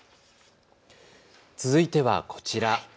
続いてはこちら。